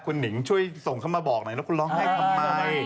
คุณหนิงช่วยส่งเข้ามาบอกหน่อยแล้วคุณร้องไห้ทำไม